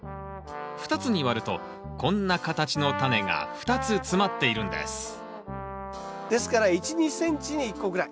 ２つに割るとこんな形のタネが２つ詰まっているんですですから１２ｃｍに１個ぐらい。